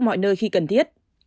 mọi nơi khi cần thiết